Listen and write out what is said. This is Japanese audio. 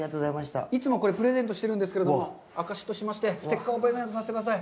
いつも、これ、プレゼントしているんですけど、あかしとしましてステッカーをプレゼントさせてください。